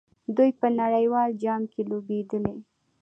دوی په نړیوال جام کې لوبېدلي.